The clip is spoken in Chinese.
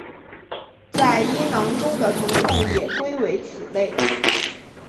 在阴囊中的疼痛也归为此类。